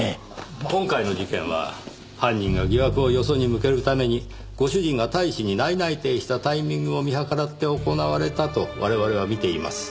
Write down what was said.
今回の事件は犯人が疑惑をよそに向けるためにご主人が大使に内々定したタイミングを見計らって行われたと我々は見ています。